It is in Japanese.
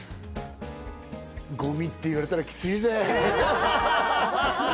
ゴミって言われたらキツいぜ。